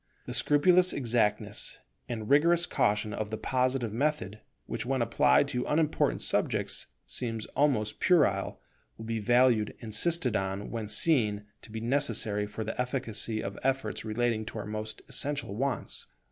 The scrupulous exactness and rigorous caution of the Positive method, which when applied to unimportant subjects seem almost puerile, will be valued and insisted on when seen to be necessary for the efficacy of efforts relating to our most essential wants.